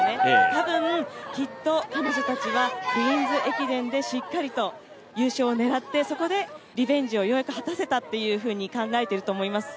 たぶん、きっと彼女たちはクイーンズ駅伝でしっかりと優勝を狙って、そこでリベンジをようやく果たせたと考えていると思います。